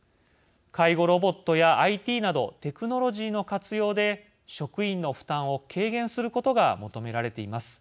介護ロボットやＩＴなどテクノロジーの活用で職員の負担を軽減することが求められています。